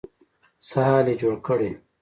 څه حال يې جوړ کړی.